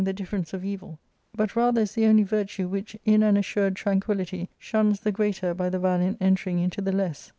—Book /K the difference of evil, but rather is the only virtue which in an assured tranquillity shuns the greater by the valiant enter ing into the less.